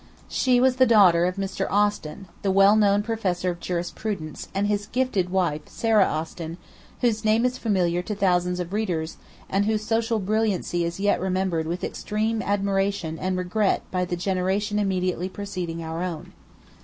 She was the daughter of Mr. Austin, the well known professor of jurisprudence, and his gifted wife, Sarah Austin, whose name is familiar to thousands of readers, and whose social brilliancy is yet remembered with extreme admiration and regret by the generation immediately preceding our own.